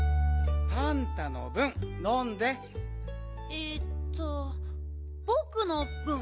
えっとぼくのぶん？